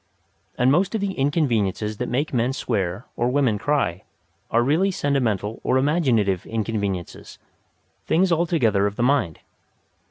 And most of the inconveniences that make men swear or women cry are really sentimental or imaginative inconveniences things altogether of the mind.